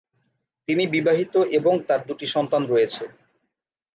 তিনি বিবাহিত এবং তার দুটি সন্তান রয়েছে।